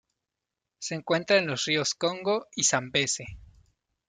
Se encuentra en los ríos Congo y Zambeze.